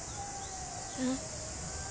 うん。